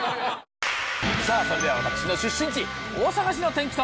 さあ、それでは私の出身地、大阪市の天気と。